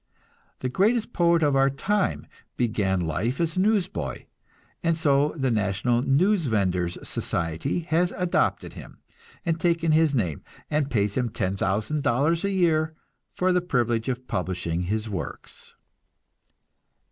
The greatest poet of our time began life as a newsboy, and so the National Newsvenders' Society has adopted him, and taken his name, and pays him ten thousand dollars a year for the privilege of publishing his works.